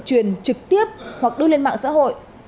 truyền trực tiếp hoặc đưa lên mạng xã hội